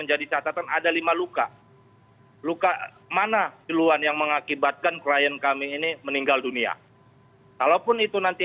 catatan ada lima luka luka mana duluan yang mengakibatkan klien kami ini meninggal dunia kalaupun itu nanti